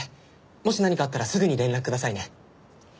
もし何かあったらすぐに連絡くださいね。